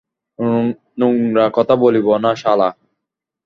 নোংরা কথা বলবি না, শালা।